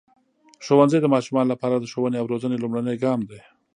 ښوونځی د ماشومانو لپاره د ښوونې او روزنې لومړنی ګام دی.